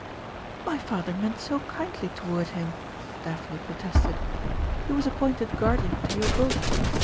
"My father meant so kindly toward him," Daphne protested. "He was appointed guardian to you both.